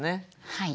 はい。